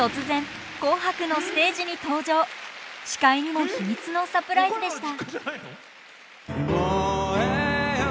突然司会にも秘密のサプライズでした。